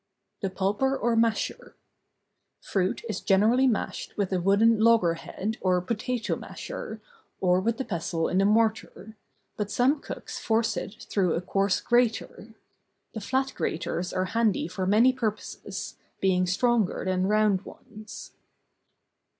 THE PULPER, OR MASHER. Fruit is generally mashed with a wooden loggerhead or potato masher, or with the pestle in the mortar; but some cooks force it through a coarse grater. The flat graters are handy for many purposes, being stronger than round ones.